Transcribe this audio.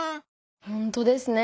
ほんとですね。